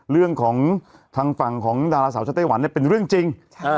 เรื่องของทางฝั่งของดาราสาวชาวไต้หวันเนี่ยเป็นเรื่องจริง